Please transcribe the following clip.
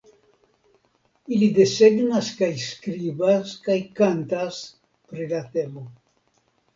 Ili desegnas kaj skribas kaj kantas pri la temo.